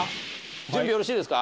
準備よろしいですか？